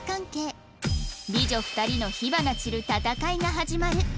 美女２人の火花散る戦いが始まる